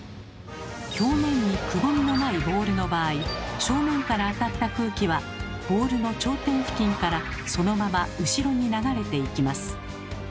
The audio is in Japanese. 表面にくぼみのないボールの場合正面から当たった空気はボールの頂点付近からそのまま後ろに流れていきます。